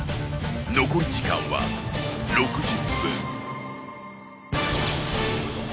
［残り時間は６０分］